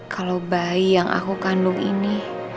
kalau bayi yang aku kandung ini